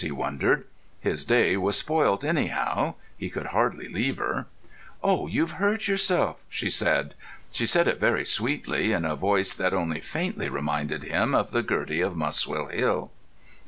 he wondered. His day was spoilt anyhow. He could hardly leave her. "Oh, you've hurt yourself!" she said. She said it very sweetly, in a voice that only faintly reminded him of the Gertie of Muswell Hill.